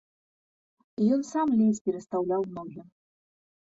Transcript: Ён сам ледзь перастаўляў ногі.